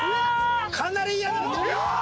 かなり嫌な。